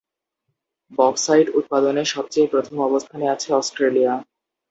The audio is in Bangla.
বক্সাইট উৎপাদনে সবচেয়ে প্রথম অবস্থানে আছে অস্ট্রেলিয়া।